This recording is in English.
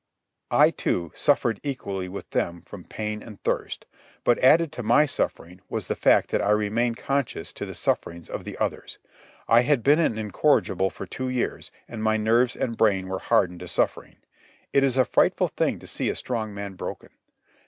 I, too, suffered equally with them from pain and thirst; but added to my suffering was the fact that I remained conscious to the sufferings of the others. I had been an incorrigible for two years, and my nerves and brain were hardened to suffering. It is a frightful thing to see a strong man broken.